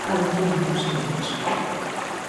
Alucina consigo mesmo!